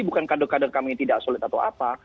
bukan kader kader kami yang tidak solid atau apa